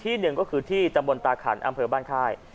หนึ่งก็คือที่ตำบลตาขันอำเภอบ้านค่าย